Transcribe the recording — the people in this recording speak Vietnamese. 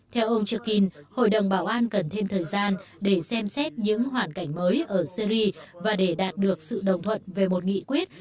theo ông chukin hội đồng bảo an cần thêm thời gian để xem xét những hoàn cảnh mới ở syri và để đạt được sự đồng thuận về một nghị quyết